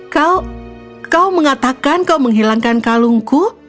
kau kau mengatakan kau menghilangkan kalungku